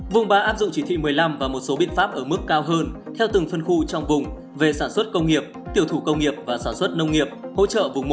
vùng ba áp dụng chỉ thị một mươi năm và một số biện pháp ở mức cao hơn theo từng phân khu trong vùng về sản xuất công nghiệp tiểu thủ công nghiệp và sản xuất nông nghiệp